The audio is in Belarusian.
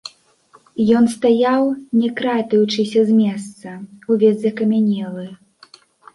Ён стаяў, не кратаючыся з месца, увесь закамянелы.